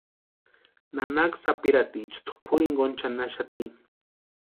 Nanaka sapirhatiecha tʼupuri jinkoni chʼanaxati.